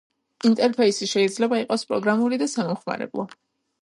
ინტერფეისი შეიძლება იყოს პროგრამული და სამომხმარებლო.